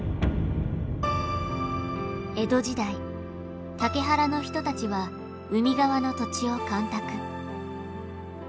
江戸時代竹原の人たちは海側の土地を干拓。